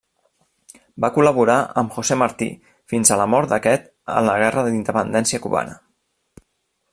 Va col·laborar amb José Martí fins a la mort d'aquest en la Guerra d'Independència cubana.